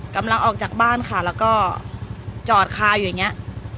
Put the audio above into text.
กำลังออกจากบ้านค่ะแล้วก็จอดคาวอยู่อย่างเงี้ย